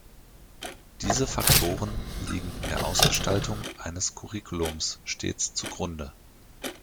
Diese Faktoren liegen der Ausgestaltung eines Curriculums stets zugrunde.